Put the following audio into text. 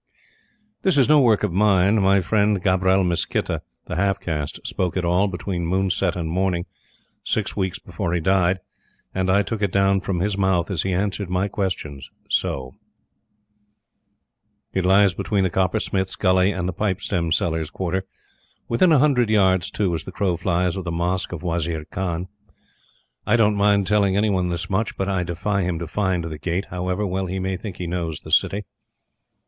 This is no work of mine. My friend, Gabral Misquitta, the half caste, spoke it all, between moonset and morning, six weeks before he died; and I took it down from his mouth as he answered my questions so: It lies between the Copper smith's Gully and the pipe stem sellers' quarter, within a hundred yards, too, as the crow flies, of the Mosque of Wazir Khan. I don't mind telling any one this much, but I defy him to find the Gate, however well he may think he knows the City.